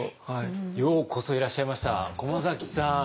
ようこそいらっしゃいました駒崎さん。